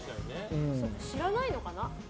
知らないのかな？